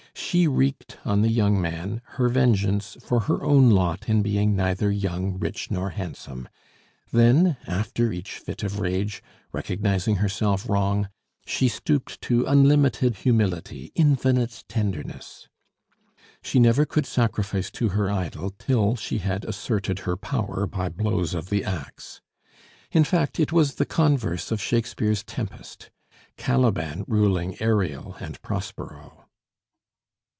She wreaked on the young man her vengeance for her own lot in being neither young, rich, nor handsome; then, after each fit of rage, recognizing herself wrong, she stooped to unlimited humility, infinite tenderness. She never could sacrifice to her idol till she had asserted her power by blows of the axe. In fact, it was the converse of Shakespeare's Tempest Caliban ruling Ariel and Prospero.